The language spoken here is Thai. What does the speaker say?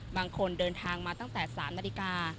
บางคนเดินทางมาตั้งแต่๓นาฬิกา